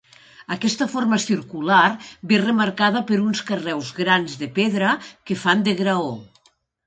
Aquesta forma circular ve remarcada per uns carreus grans de pedra que fan de graó.